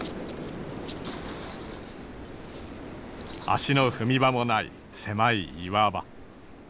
足の踏み場もない狭い岩場。